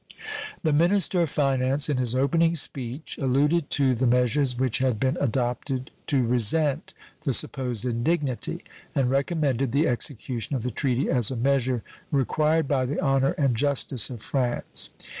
The minister of finance in his opening speech alluded to the measures which had been adopted to resent the supposed indignity, and recommended the execution of the treaty as a measure required by the honor and justice of France.